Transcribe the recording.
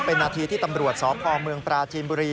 เป็นนาทีที่ตำรวจสพเมืองปราจีนบุรี